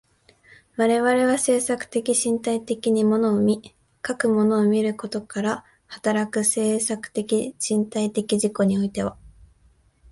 我々は制作的身体的に物を見、かく物を見ることから働く制作的身体的自己においては、